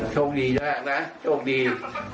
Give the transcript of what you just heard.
โชคดีนะโชคดี